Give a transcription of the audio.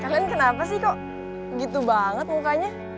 jangan kenapa sih kok gitu banget mukanya